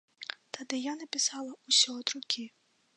Тады я напісала ўсё ад рукі.